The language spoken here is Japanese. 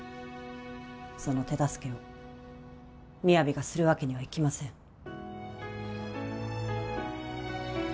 その手助けを「ＭＩＹＡＶＩ」がするわけにはいきません